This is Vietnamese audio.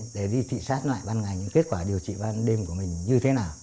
để đi thị xác lại ban ngày những kết quả điều trị ban đêm của mình như thế nào